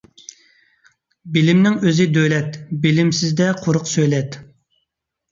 بىلىمنىڭ ئۆزى دۆلەت، بىلىمسىزدە قۇرۇق سۆلەت.